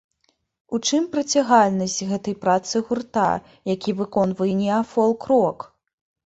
У чым прыцягальнасць гэтай працы гурта, які выконвае неафолк-рок?